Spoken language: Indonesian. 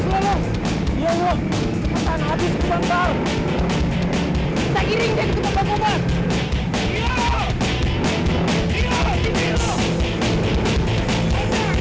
teman saya kaga dateng